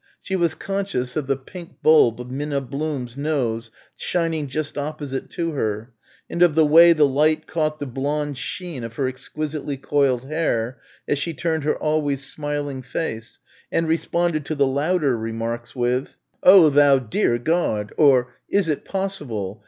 She was conscious of the pink bulb of Minna Blum's nose shining just opposite to her, and of the way the light caught the blond sheen of her exquisitely coiled hair as she turned her always smiling face and responded to the louder remarks with, "Oh, thou dear God!" or "Is it possible!"